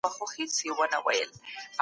اسلام د پوهې او سوکالۍ دين دی.